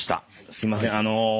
すいません。